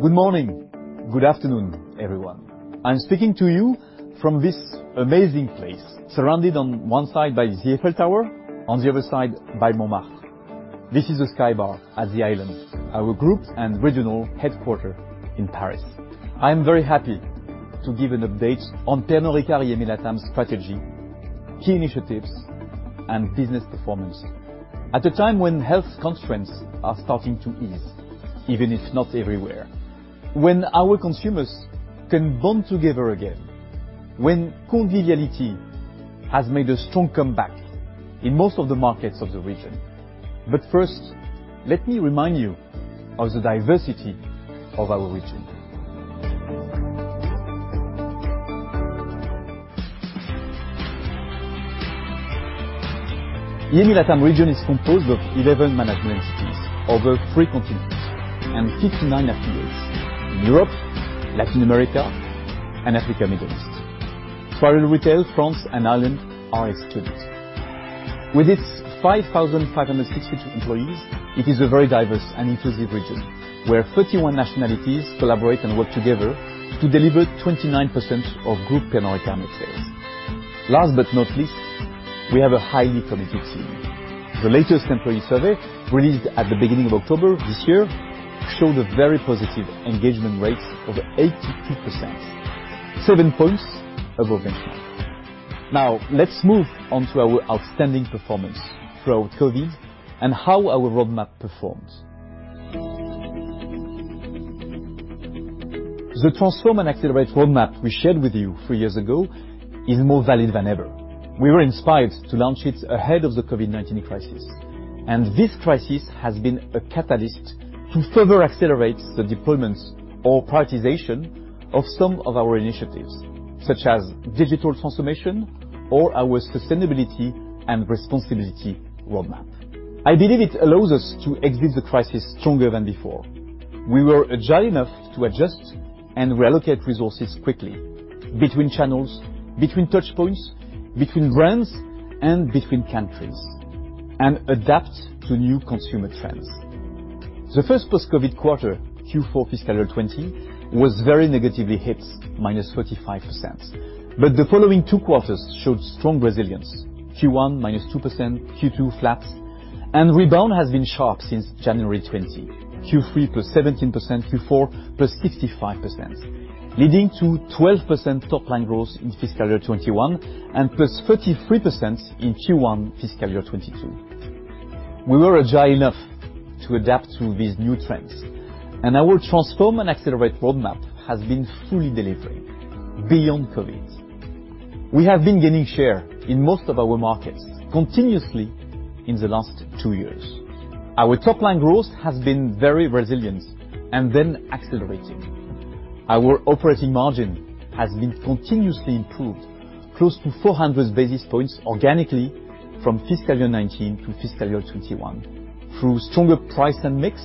Good morning, good afternoon, everyone. I'm speaking to you from this amazing place, surrounded on one side by the Eiffel Tower, on the other side by Montmartre. This is the Sky Bar at The Island, our group and regional headquarters in Paris. I'm very happy to give an update on Pernod Ricard EMEA LATAM strategy, key initiatives, and business performance. At a time when health constraints are starting to ease, even if not everywhere, when our consumers can bond together again, when conviviality has made a strong comeback in most of the markets of the region. First, let me remind you of the diversity of our region. EMEA LATAM region is composed of 11 management cities over three continents and 59 affiliates in Europe, Latin America, and Africa, Middle East. Travel Retail, France, and Ireland are excluded. With its 5,562 employees, it is a very diverse and inclusive region, where 31 nationalities collaborate and work together to deliver 29% of group Pernod Ricard net sales. Last but not least, we have a highly committed team. The latest employee survey, released at the beginning of October this year, showed a very positive engagement rates of 82%, seven points above benchmark. Now, let's move on to our outstanding performance throughout COVID and how our roadmap performs. The Transform and Accelerate roadmap we shared with you three years ago is more valid than ever. We were inspired to launch it ahead of the COVID-19 crisis, and this crisis has been a catalyst to further accelerate the deployments or prioritization of some of our initiatives, such as digital transformation or our Sustainability and Responsibility roadmap. I believe it allows us to exit the crisis stronger than before. We were agile enough to adjust and reallocate resources quickly between channels, between touch points, between brands, and between countries, and adapt to new consumer trends. The first post-COVID quarter, Q4 fiscal year 2020, was very negatively hit, -35%, but the following two quarters showed strong resilience. Q1 -2%, Q2 flat. Rebound has been sharp since January 2020. Q3 +17%, Q4 +65%, leading to 12% top line growth in fiscal year 2021 and +33% in Q1 fiscal year 2022. We were agile enough to adapt to these new trends, and our transform and accelerate roadmap has been fully delivered beyond COVID. We have been gaining share in most of our markets continuously in the last two years. Our top line growth has been very resilient and then accelerating. Our operating margin has been continuously improved, close to 400 basis points organically from fiscal year 2019 to fiscal year 2021, through stronger price and mix,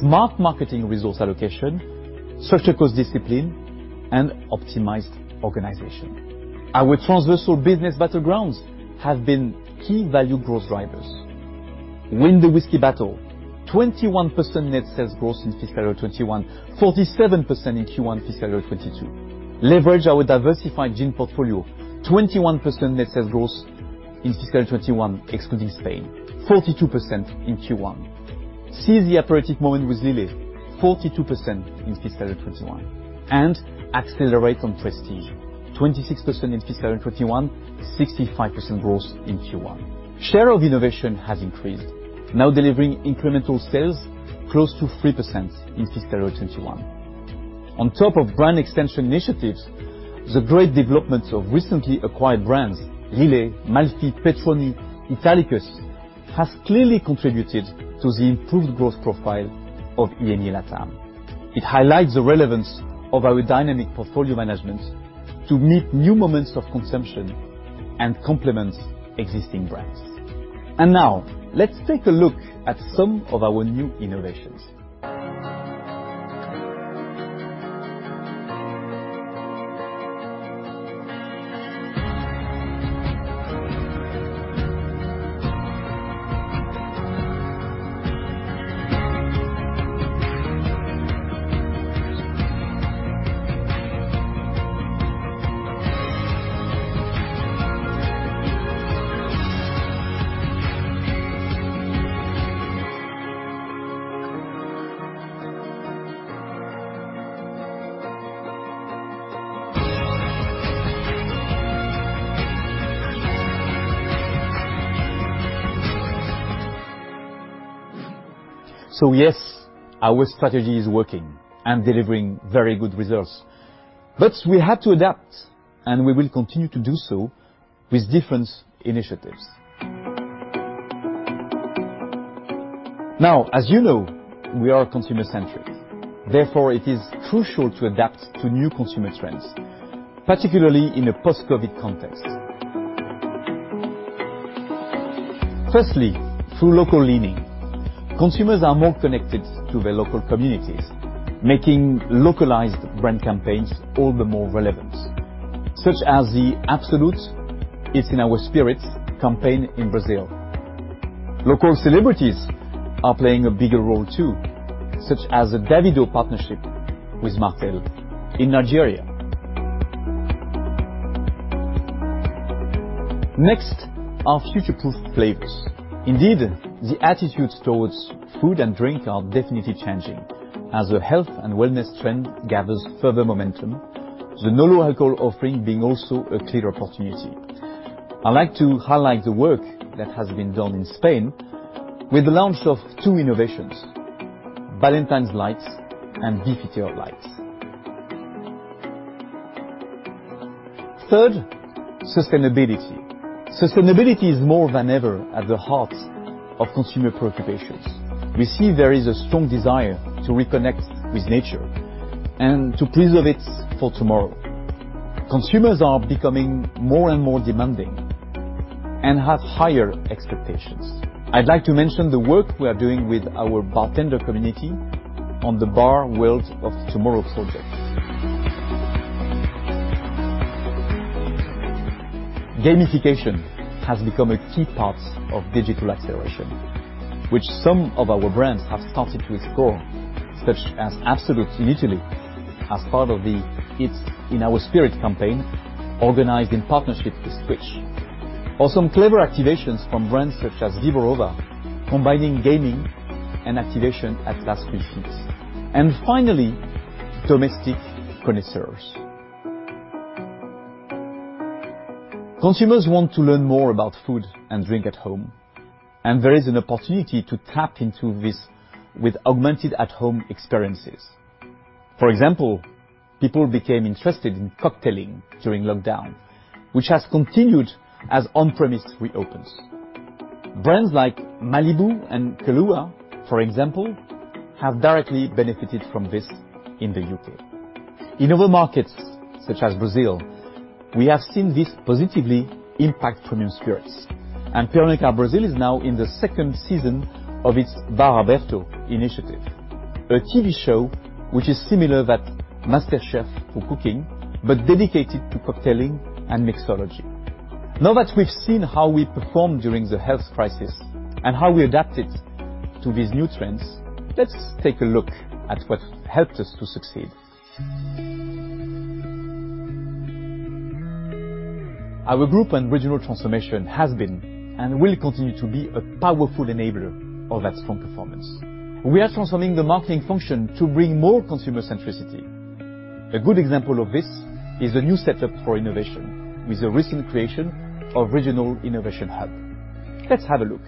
smart marketing resource allocation, structural cost discipline, and optimized organization. Our transversal business battlegrounds have been key value growth drivers. Win the whiskey battle, 21% net sales growth in fiscal year 2021, 47% in Q1 fiscal year 2022. Leverage our diversified gin portfolio, 21% net sales growth in fiscal year 2021, excluding Spain, 42% in Q1. Seize the aperitif moment with Lillet, 42% in fiscal year 2021. Accelerate on prestige, 26% in fiscal year 2021, 65% growth in Q1. Share of innovation has increased, now delivering incremental sales close to 3% in fiscal year 2021. On top of brand extension initiatives, the great developments of recently acquired brands, Lillet, Malfy, St. Petroni, Italicus, has clearly contributed to the improved growth profile of EMEA LATAM. It highlights the relevance of our dynamic portfolio management to meet new moments of consumption and complement existing brands. Now let's take a look at some of our new innovations. Yes, our strategy is working and delivering very good results. We had to adapt, and we will continue to do so with different initiatives. Now, as you know, we are consumer-centric, therefore it is crucial to adapt to new consumer trends, particularly in a post-COVID-19 context. Firstly, through local leaning. Consumers are more connected to their local communities, making localized brand campaigns all the more relevant. Such as the Absolut It's In Our Spirits campaign in Brazil. Local celebrities are playing a bigger role too, such as the Davido partnership with Martell in Nigeria. Next are future-proof flavors. Indeed, the attitudes towards food and drink are definitely changing. As the health and wellness trend gathers further momentum, the no and low alcohol offering being also a clear opportunity. I'd like to highlight the work that has been done in Spain with the launch of two innovations, Ballantine's Light and Beefeater Light. Third, sustainability. Sustainability is more than ever at the heart of consumer preoccupations. We see there is a strong desire to reconnect with nature and to preserve it for tomorrow. Consumers are becoming more and more demanding and have higher expectations. I'd like to mention the work we are doing with our bartender community on the Bar World of Tomorrow project. Gamification has become a key part of digital acceleration, which some of our brands have started to explore, such as Absolut in Italy as part of the It's In Our Spirit campaign, organized in partnership with Twitch. Some clever activations from brands such as Wyborowa, combining gaming and activation at last receipts. Finally, domestic connoisseurs. Consumers want to learn more about food and drink at home, and there is an opportunity to tap into this with augmented at-home experiences. For example, people became interested in cocktailing during lockdown, which has continued as on-premise reopens. Brands like Malibu and Kahlúa, for example, have directly benefited from this in the U.K. In other markets, such as Brazil, we have seen this positively impact premium spirits, and Pernod Ricard Brazil is now in the second season of its Bar Aberto initiative, a TV show which is similar to MasterChef for cooking, but dedicated to cocktailing and mixology. Now that we've seen how we perform during the health crisis and how we adapted to these new trends, let's take a look at what helped us to succeed. Our group and regional transformation has been and will continue to be a powerful enabler of that strong performance. We are transforming the marketing function to bring more consumer centricity. A good example of this is a new setup for innovation with the recent creation of regional innovation hub. Let's have a look.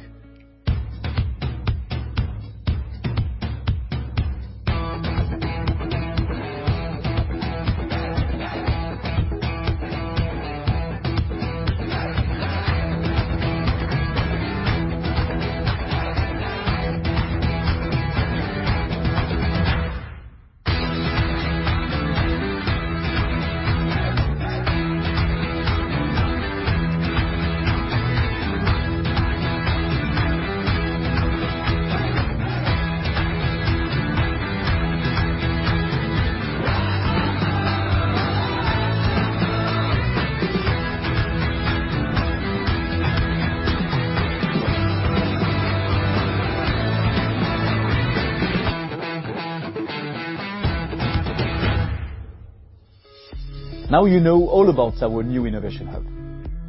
Now, you know all about our new innovation hub.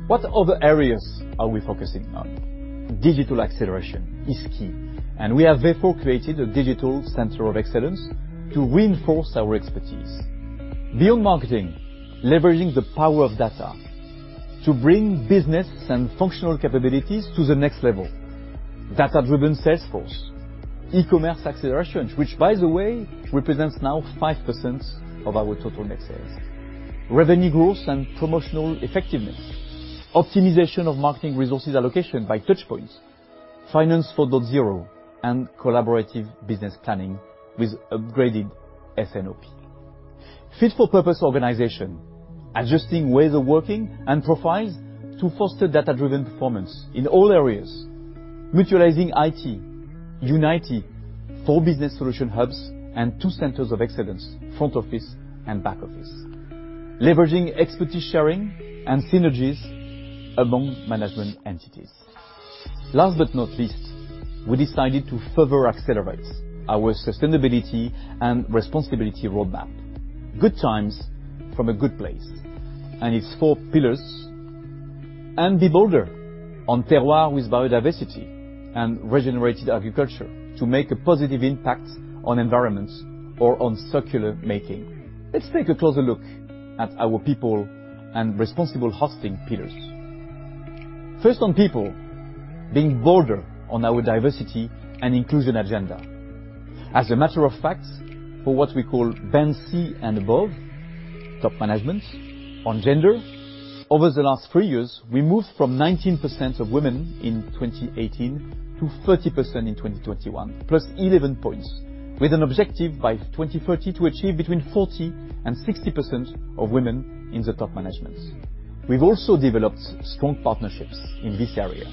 What other areas are we focusing on? Digital acceleration is key, and we have therefore created a digital center of excellence to reinforce our expertise. Beyond marketing, leveraging the power of data to bring business and functional capabilities to the next level. Data-driven sales force, e-commerce acceleration, which by the way, represents now 5% of our total net sales. Revenue growth and promotional effectiveness, optimization of marketing resources allocation by touch points, Finance 4.0, and collaborative business planning with upgraded S&OP. Fit-for-purpose organization, adjusting ways of working and profiles to foster data-driven performance in all areas. Mutualizing IT, uniting four business solution hubs and two centers of excellence, front office and back office. Leveraging expertise sharing and synergies among management entities. Last but not least, we decided to further accelerate our sustainability and responsibility roadmap. Good Times from a Good Place, and its four pillars and be bolder on terroir with biodiversity and regenerative agriculture to make a positive impact on environment or on circular economy. Let's take a closer look at our people and responsible sourcing pillars. First on people, being bolder on our diversity and inclusion agenda. As a matter of fact, for what we call band C and above, top management on gender, over the last three years, we moved from 19% of women in 2018 to 30% in 2021, plus 11 points, with an objective by 2030 to achieve between 40% and 60% of women in the top management. We've also developed strong partnerships in this area,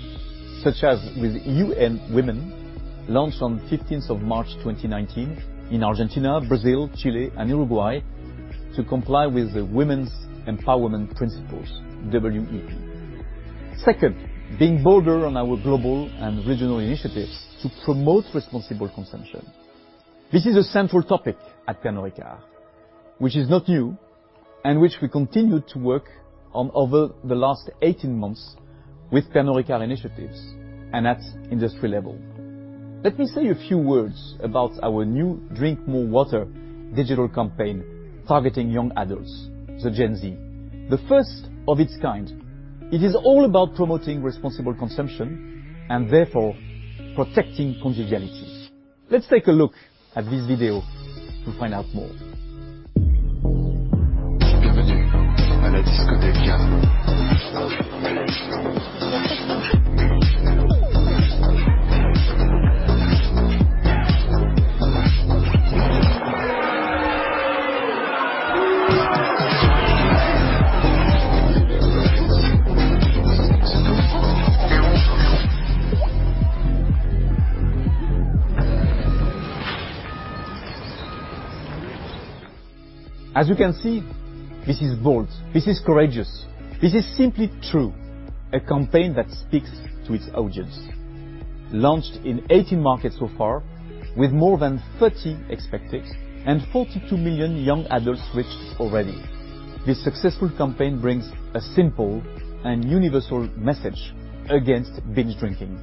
such as with UN Women, launched on 15th of March 2019 in Argentina, Brazil, Chile, and Uruguay to comply with the Women's Empowerment Principles, WEP. Second, being bolder on our global and regional initiatives to promote responsible consumption. This is a central topic at Pernod Ricard which is not new and which we continue to work on over the last 18 months with Pernod Ricard initiatives and at industry level. Let me say a few words about our new Drink More Water digital campaign targeting young adults, the Gen Z. The first of its kind. It is all about promoting responsible consumption and therefore protecting conviviality. Let's take a look at this video to find out more. As you can see, this is bold, this is courageous, this is simply true. A campaign that speaks to its audience. Launched in 18 markets so far with more than 30 expected and 42 million young adults reached already. This successful campaign brings a simple and universal message against binge drinking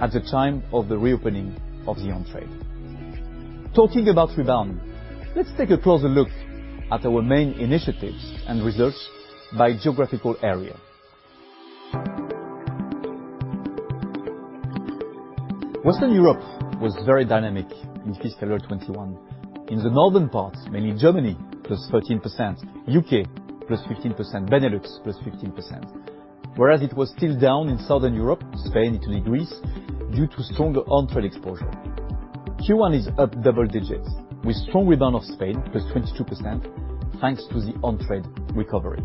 at the time of the reopening of the on-trade. Talking about rebound, let's take a closer look at our main initiatives and results by geographical area. Western Europe was very dynamic in fiscal year 2021. In the northern parts, mainly Germany, +13%, U.K. +15%, Benelux +15%. Whereas it was still down in Southern Europe, Spain to Greece, due to stronger on-trade exposure. Q1 is up double digits, with strong rebound of Spain, +22%, thanks to the on-trade recovery.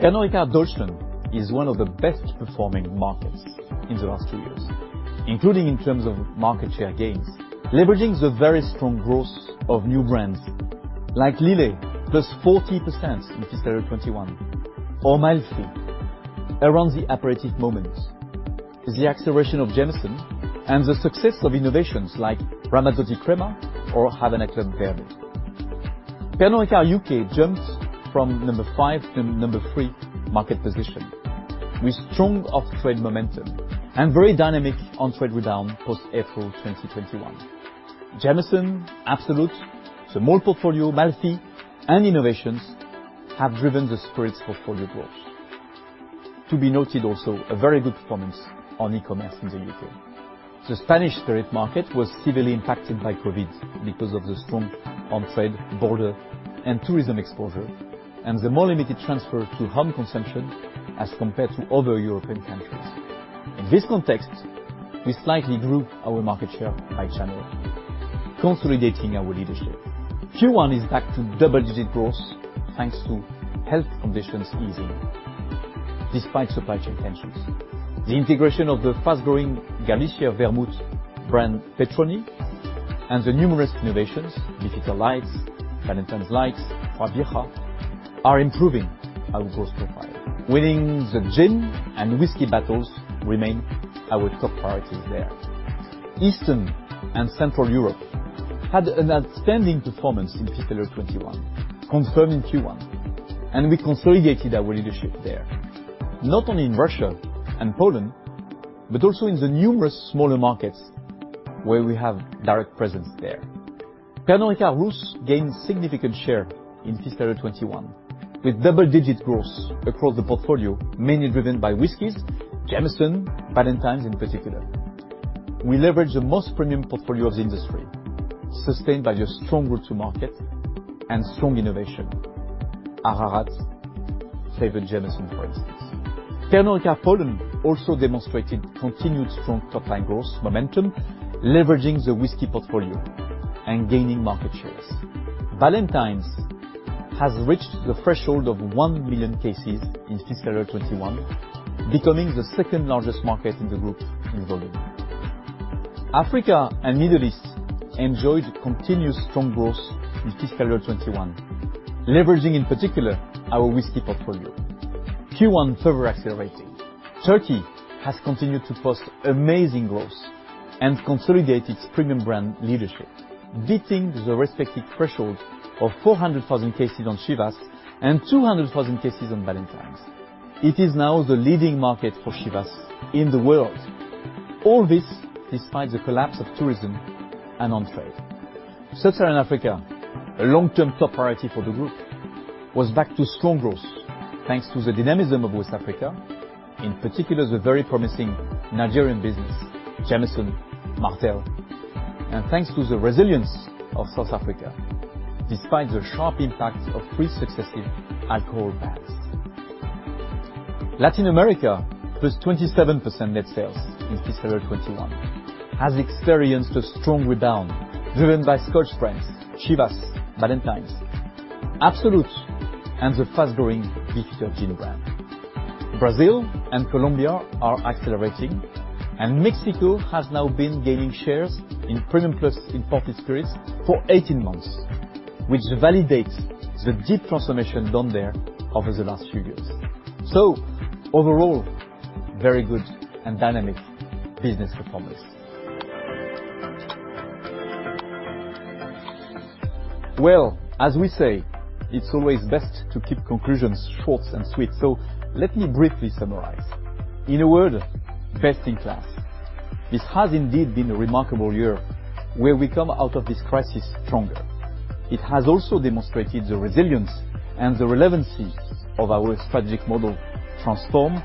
Pernod Ricard Deutschland is one of the best performing markets in the last two years, including in terms of market share gains, leveraging the very strong growth of new brands like Lillet, +40% in fiscal 2021, or Malfy. Around the operative moments is the acceleration of Jameson and the success of innovations like Ramazzotti Crema or Havana Club Verde. Pernod Ricard UK jumped from number five to number three market position with strong off-trade momentum and very dynamic on-trade rebound post April 2021. Jameson, Absolut, the Mumm portfolio, Malfy, and innovations have driven the spirits portfolio growth. To be noted also, a very good performance on e-commerce in the UK. The Spanish spirit market was heavily impacted by COVID because of the strong on-trade, bar, and tourism exposure and the more limited transfer to home consumption as compared to other European countries. In this context, we slightly grew our market share by channel, consolidating our leadership. Q1 is back to double-digit growth, thanks to health conditions easing despite supply chain tensions. The integration of the fast-growing Galicia vermouth brand, St. Petroni, and the numerous innovations, Beefeater Light, Ballantine's Light, Frapiera, are improving our growth profile. Winning the gin and whiskey battles remain our top priorities there. Eastern and Central Europe had an outstanding performance in fiscal year 2021, confirmed in Q1, and we consolidated our leadership there, not only in Russia and Poland, but also in the numerous smaller markets where we have direct presence there. Pernod Ricard Rouss gained significant share in fiscal year 2021 with double-digit growth across the portfolio, mainly driven by whiskeys, Jameson, Ballantine's in particular. We leverage the most premium portfolio of the industry, sustained by the strong route to market and strong innovation. Ararat favored Jameson, for instance. Pernod Ricard Polska also demonstrated continued strong top-line growth momentum, leveraging the whiskey portfolio and gaining market shares. Ballantine's has reached the threshold of 1 million cases in fiscal year 2021, becoming the second-largest market in the group in volume. Africa and Middle East enjoyed continuous strong growth in fiscal year 2021, leveraging, in particular, our whiskey portfolio, Q1 further accelerating. Turkey has continued to post amazing growth and consolidate its premium brand leadership, beating the respective thresholds of 400,000 cases on Chivas and 200,000 cases on Ballantine's. It is now the leading market for Chivas in the world. All this despite the collapse of tourism and on-trade. Sub-Saharan Africa, a long-term top priority for the group, was back to strong growth thanks to the dynamism of West Africa, in particular, the very promising Nigerian business, Jameson, Martell. Thanks to the resilience of South Africa, despite the sharp impact of three successive alcohol bans. Latin America, +27% net sales in FY 2021, has experienced a strong rebound driven by Scotch brands, Chivas, Ballantine's, Absolut, and the fast-growing Beefeater gin brand. Brazil and Colombia are accelerating, and Mexico has now been gaining shares in premium plus imported spirits for 18 months, which validates the deep transformation done there over the last few years. Overall, very good and dynamic business performance. Well, as we say, it's always best to keep conclusions short and sweet, so let me briefly summarize. In a word, best in class. This has indeed been a remarkable year where we come out of this crisis stronger. It has also demonstrated the resilience and the relevancy of our strategic model, transform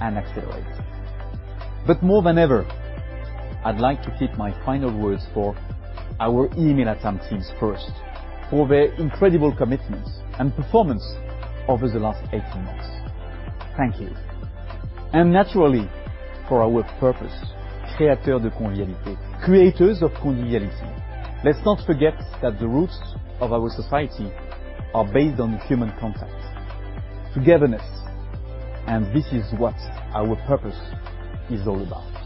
and accelerate. More than ever, I'd like to keep my final words for our EMEA LATAM teams first for their incredible commitments and performance over the last 18 months. Thank you. Naturally for our purpose, Créateurs de Convivialité, creators of conviviality. Let's not forget that the roots of our society are based on human contact, togetherness, and this is what our purpose is all about.